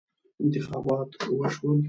انتخابات وشول.